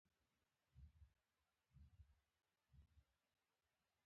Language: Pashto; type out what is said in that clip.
یهودیانو ته څلور میاشتې وخت ورکړل شو.